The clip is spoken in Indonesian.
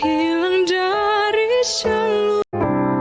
hilang dari seluruh